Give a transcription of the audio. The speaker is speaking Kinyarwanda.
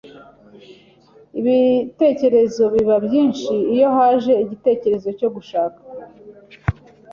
Ibitekerezo biba byinshi iyo haje igitekerezo cyo gushaka